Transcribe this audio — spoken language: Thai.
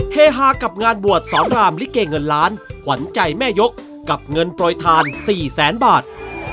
เฮฮากับงานบวชสอนรามลิเกเงินล้านขวัญใจแม่ยกกับเงินโปรยทาน๔แสนบาท